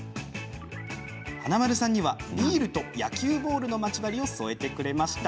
華丸さんにはビールと野球ボールのまち針を添えてくれました。